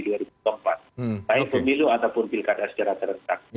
baik pemilu ataupun pilkada secara terletak